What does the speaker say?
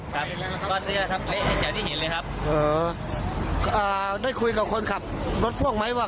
ครับก็เสียที่เห็นเลยครับอ่าได้คุยกับคนขับรถพ่วงไหมวะ